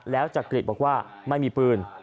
แล้วจักริตบอกว่าไม่มีปืน